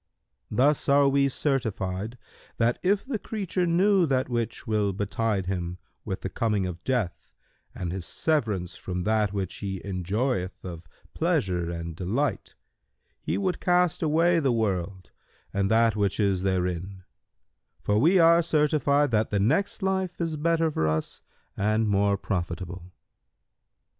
Thus are we certified that, if the creature knew that which will betide him with the coming of death[FN#137] and his severance from that which he enjoyeth of pleasure and delight, he would cast away the world and that which is therein; for we are certified that the next life is better for us and more profitable."